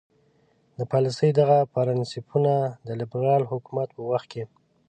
د پالیسۍ دغه پرنسیپونه د لیبرال حکومت په وخت کې.